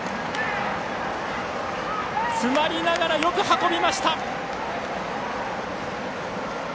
詰まりながらよく運びました！